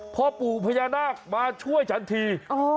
พ่อปู่พญานาคมาช่วยฉันที